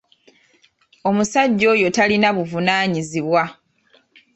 Omusajja oyo talinabuvunaanyizibwa.